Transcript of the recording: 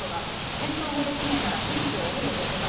返答もできねーなら店長降りろ、ボケが。